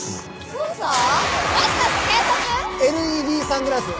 ＬＥＤサングラス。